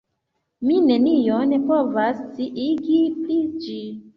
Ni nenion povas sciiĝi pri ĝi.